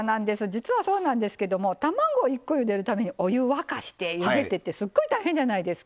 実はそうなんですけども卵１コゆでるためにお湯を沸かしてゆでてってすっごい大変じゃないですか。